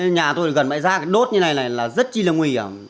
nhà tôi gần bãi giác đốt như này là rất chi là nguy hiểm